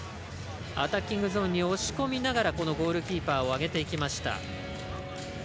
アタッキングゾーンに押し込みながらゴールキーパーを上げてきました。